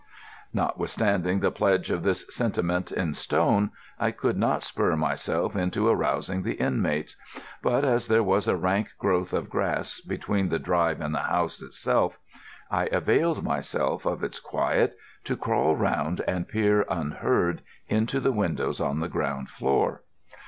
Notwithstanding the pledge of this sentiment in stone, I could not spur myself into arousing the inmates; but as there was a rank growth of grass between the drive and the house itself, I availed myself of its quiet to crawl round and peer unheard into the windows on the ground floor.